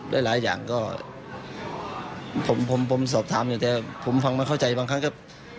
หลายอย่างก็ผมผมสอบถามอยู่แต่ผมฟังไม่เข้าใจบางครั้งก็